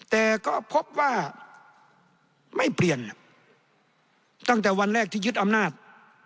แต่ก็พบว่าไม่เปลี่ยนตั้งแต่วันแรกที่ยึดอำนาจ